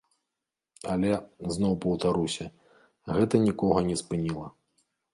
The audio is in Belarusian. Але, зноў паўтаруся, гэта нікога не спыніла.